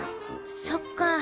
そっか。